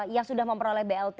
yang sudah memperoleh blt